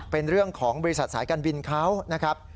เป็นเรื่องของบริษัทสายการบินเขานะครับ